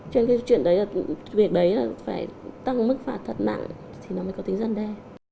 cho nên cái chuyện đấy việc đấy là phải tăng mức phạt thật nặng thì nó mới có tính gian đề